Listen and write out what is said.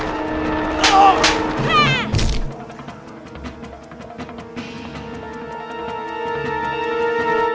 itu menghalang penyebab itu